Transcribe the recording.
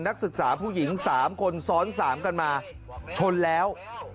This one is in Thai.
นักศึกษาผู้หญิง๓คนซ้อน๓กันมาชนแล้ว